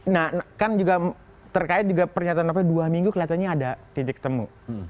nah kan juga terkait juga pernyataan novel dua minggu kelihatannya ada titik temu